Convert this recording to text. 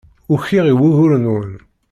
Ukiɣ i wugur-nwen.